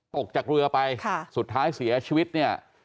ตกจากเรือไปสุดท้ายเสียชีวิตเนี่ย